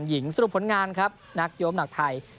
หญิงสรุปผลงานครับนักโยมหนักไทย